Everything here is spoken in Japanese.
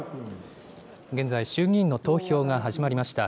現在、衆議院の投票が始まりました。